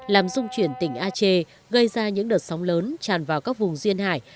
làm rung chuyển tỉnh aceh gây ra những đợt sóng lớn tràn vào các vùng duyên hải